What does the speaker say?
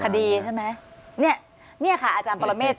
คดีใช่ไหมเนี่ยเนี่ยค่ะอาจารย์ปรเมฆ